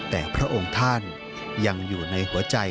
แต่พระองค์ท่านยังอยู่ในหัวใจ